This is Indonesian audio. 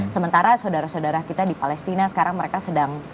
sementara saudara saudara kita di palestina sekarang mereka sedang